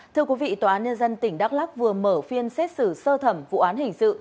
thưa quý vị tòa án nhân dân tỉnh đắk lắc vừa mở phiên xét xử sơ thẩm vụ án hình sự